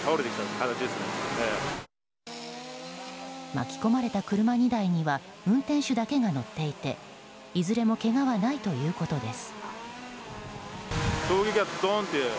巻き込まれた車２台には運転手だけが乗っていていずれもけがはないということです。